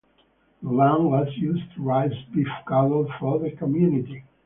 The land was used to raise beef cattle for the community.